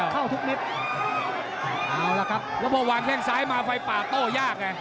พวกวางแข่งซ้ายมาไฟป่าโต้ยาก